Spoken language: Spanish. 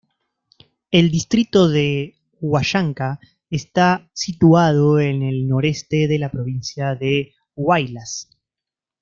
El distrito de Huallanca está situado en el noreste de la provincia de Huaylas.